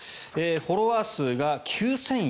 フォロワー数が９０４４万人。